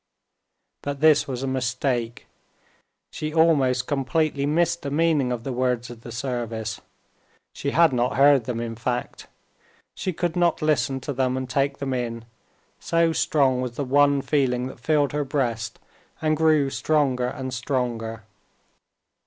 But this was a mistake; she almost completely missed the meaning of the words of the service; she had not heard them, in fact. She could not listen to them and take them in, so strong was the one feeling that filled her breast and grew stronger and stronger.